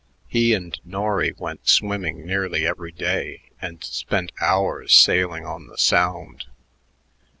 He and Norry went swimming nearly every day and spent hours sailing on the Sound.